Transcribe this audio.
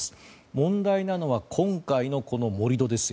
問題なのは、今回の盛り土です。